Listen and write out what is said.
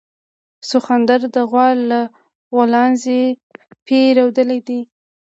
سخوندر د غوا له غولانځې پی رودلي دي